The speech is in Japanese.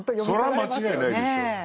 それは間違いないでしょう。